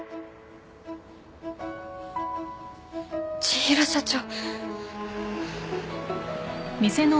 千尋社長。